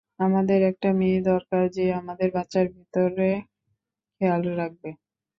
আমাদের একটা মেয়ে দরকার যে আমাদের বাচ্চার ভিতরে খেয়াল রাখবে।